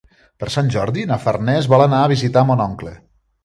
Per Sant Jordi na Farners vol anar a visitar mon oncle.